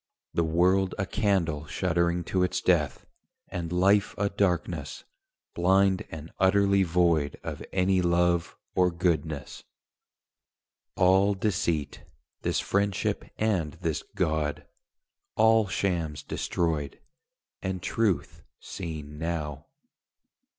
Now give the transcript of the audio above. The world a candle shuddering to its death, And life a darkness, blind and utterly void Of any love or goodness: all deceit, This friendship and this God: all shams destroyed, And truth seen now.